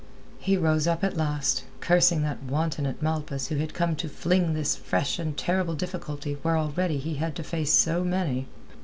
He rose up at last, cursing that wanton at Malpas who had come to fling this fresh and terrible difficulty where already he had to face so many.